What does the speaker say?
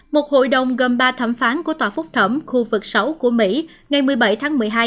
một hội đồng gồm ba thẩm phán của tòa phúc thẩm khu vực sáu của mỹ ngày một mươi bảy tháng một mươi hai